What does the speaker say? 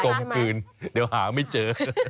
ลมคืนเดี๋ยวหาไม่เจอ